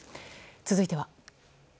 続いては。